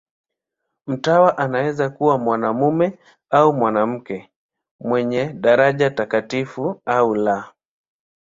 Mtawa anaweza kuwa mwanamume au mwanamke, mwenye daraja takatifu au la.